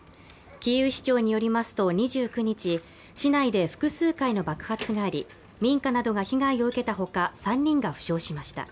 キーウ市長によりますと２９日、市内で複数回の爆発があり民家などが被害を受けたほか３人が負傷しました。